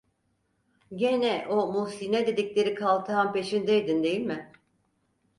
Gene o Muhsine dedikleri kaltağın peşindeydin değil mi?